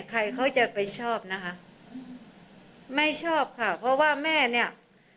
ใครเขาจะไปชอบนะคะไม่ชอบค่ะเพราะว่าแม่เนี่ย